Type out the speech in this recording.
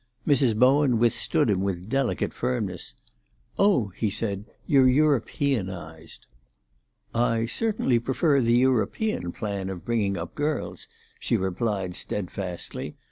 Mrs. Bowen withstood him with delicate firmness. "Oh," he said, "you're Europeanised." "I certainly prefer the European plan of bringing up girls," she replied steadfastly.